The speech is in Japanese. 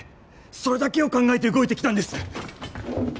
それだけを考えて動いてきたんです